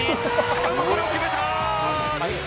しかもこれを決めた！